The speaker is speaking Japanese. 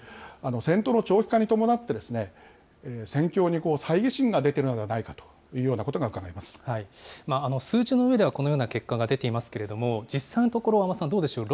戦闘の長期化に伴って、戦況にさいぎ心が出ているのではないかというようなことがうかが数字の上ではこのような結果が出ていますけれども、実際のところ、安間さん、どうでしょう。